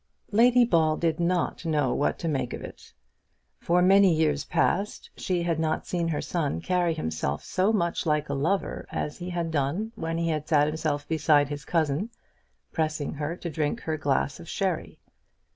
Lady Ball did not know what to make of it. For many years past she had not seen her son carry himself so much like a lover as he had done when he sat himself beside his cousin pressing her to drink her glass of sherry.